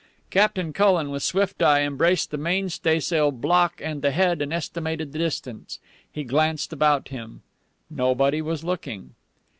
Captain Cullen, with swift eye, embraced the mainstaysail block and the head and estimated the distance. He glanced about him. Nobody was looking.